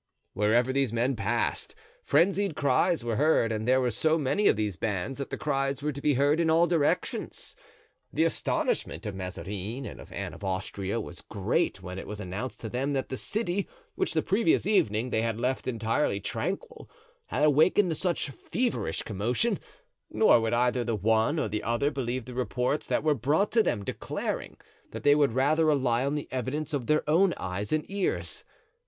Wherever these men passed, frenzied cries were heard; and there were so many of these bands that the cries were to be heard in all directions. The astonishment of Mazarin and of Anne of Austria was great when it was announced to them that the city, which the previous evening they had left entirely tranquil, had awakened to such feverish commotion; nor would either the one or the other believe the reports that were brought to them, declaring they would rather rely on the evidence of their own eyes and ears.